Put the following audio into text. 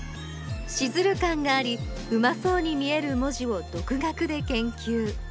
シズル感がありうまそうに見える文字を独学で研究。